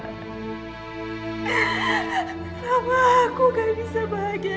kenapa aku gak bisa bahagia